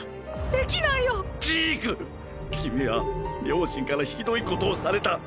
君は両親からひどいことをされた。